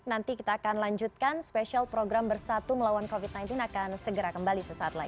nanti kita akan lanjutkan spesial program bersatu melawan covid sembilan belas akan segera kembali sesaat lagi